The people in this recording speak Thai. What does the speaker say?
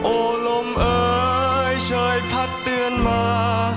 โอลมเอ๋ยช่อยพัดเตือนมา